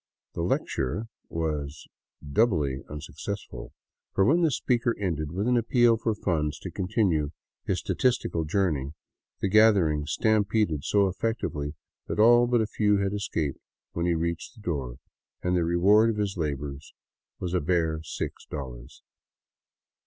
The " lecture " was doubly unsuccessful, for when the speaker ended with an appeal for funds to continue his statistical journey, the gather ing stampeded so effectively that all but a few had escaped when he reached the door, and the reward of his labors was a bare six dollars.